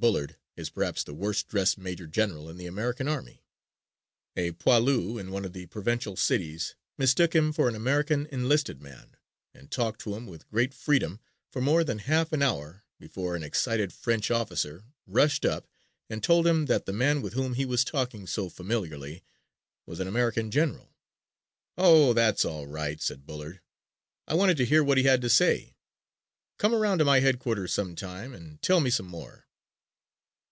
Bullard is perhaps the worst dressed major general in the American army. A poilu in one of the provincial cities mistook him for an American enlisted man and talked to him with great freedom for more than half an hour before an excited French officer rushed up and told him that the man with whom he was talking so familiarly was an American general. "Oh, that's all right," said Bullard, "I wanted to hear what he had to say. Come around to my headquarters sometime and tell me some more."